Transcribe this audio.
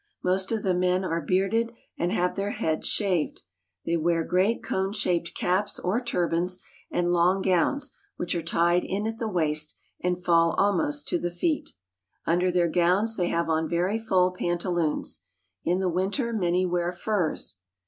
Most of the men are bearded, and have their heads shaved. They wear great cone shaped caps or turbans, and long gowns which are tied in at the waist and fall almost to the feet. Under their gowns they have on very full pantaloons. In the winter many wear furs.